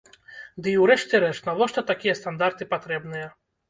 Ды і ўрэшце рэшт, навошта такія стандарты патрэбныя?